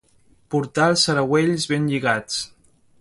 Portar els saragüells ben lligats.